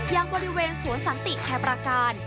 อย่างบริเวณสวนสันติชัยประการ